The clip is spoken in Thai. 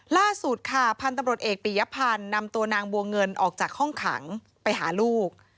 ล่าสุดค่ะพันธุ์ตำรวจเอกปียพันธ์นำตัวนางบัวเงินออกจากห้องขังไปหาลูก